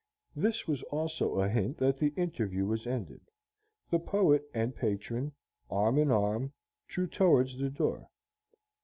This was also a hint that the interview was ended. The poet and patron, arm in arm, drew towards the door.